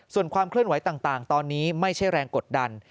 ส่วนความเคลื่อนไหวต่างตอนนี้ไม่ใช่แรงกดดัน